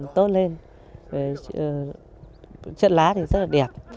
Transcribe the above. tốt lên chất lá thì rất là đẹp